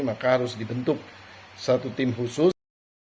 maka harus dibentuk satu tim khusus